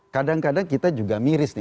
kadang kadang kita juga miris nih